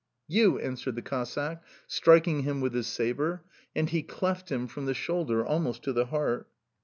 "You!" answered the Cossack, striking him with his sabre; and he cleft him from the shoulder almost to the heart...